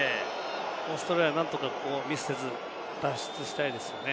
オーストラリアなんとかミスせず脱出したいですね。